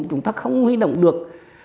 chúng ta không huy động được